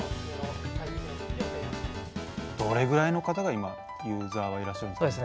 どれぐらいの方が今ユーザーはいらっしゃるんですか？